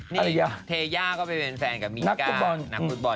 นี่เทยาก็เป็นแฟนกับมีกานักฟุตบอล